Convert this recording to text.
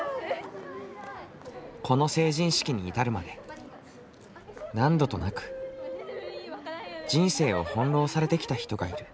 この成人式に至るまで何度となく人生を翻弄されてきた人がいる。